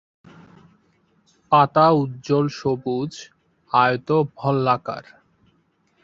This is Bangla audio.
পাতা উজ্জ্বল সবুজ, আয়ত-ভল্লাকার।